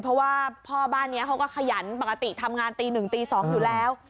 เพราะว่าพ่อบ้านนี้เขาก็ขยันปกติทำงานตี๑ตี๒อยู่แล้ว